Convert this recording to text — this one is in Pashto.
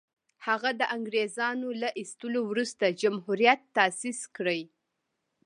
هغه د انګرېزانو له ایستلو وروسته جمهوریت تاءسیس کړي.